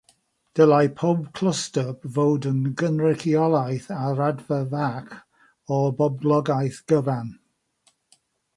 Dylai pob clwstwr fod yn gynrychiolaeth ar raddfa fach o'r boblogaeth gyfan.